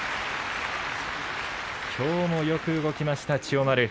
きょうもよく動きました千代丸。